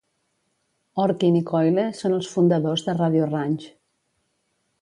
Orkin i Coyle són els fundadors de Radio Ranch.